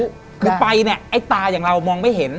คือไปเนี่ยไอ้ตาอย่างเรามองไม่เห็น